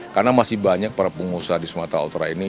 karena masih banyak para pengusaha di sumatera utara ini